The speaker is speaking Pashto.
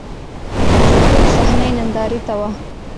په زړه پورې صحنه یې نندارې ته و.